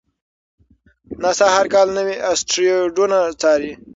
ناسا هر کال نوي اسټروېډونه څاري.